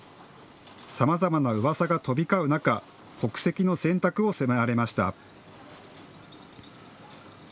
さまざまなうわさが飛び交う中、国籍の選択を迫られました。